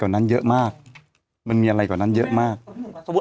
เค้าก็บอกสิ่งแล้ว